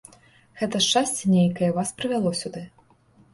Гэта шчасце нейкае вас прывяло сюды.